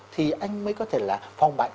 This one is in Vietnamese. thì anh mới có thể là phòng bệnh